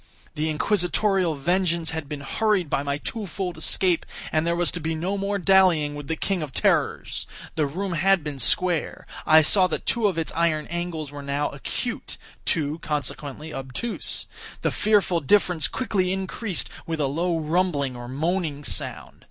The Inquisitorial vengeance had been hurried by my two fold escape, and there was to be no more dallying with the King of Terrors. The room had been square. I saw that two of its iron angles were now acute—two, consequently, obtuse. The fearful difference quickly increased with a low rumbling or moaning sound.